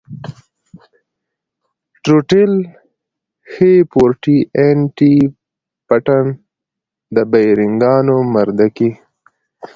ټروټيل سي فور ټي ان ټي پټن د بېرنگانو مردکي.